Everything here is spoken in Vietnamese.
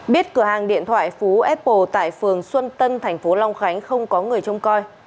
biết cửa hàng điện thoại phú apple tại phường xuân tân tp long khánh không có người trông coi